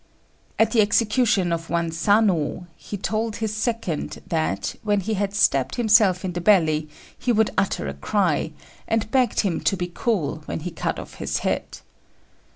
At the execution of one Sanô, he told his second that, when he had stabbed himself in the belly, he would utter a cry; and begged him to be cool when he cut off his head.